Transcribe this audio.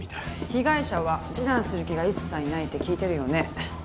被害者は示談する気が一切ないって聞いてるよね？